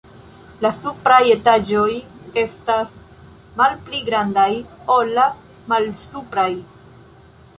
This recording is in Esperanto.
La supraj etaĝoj estas malpli grandaj ol la malsupraj.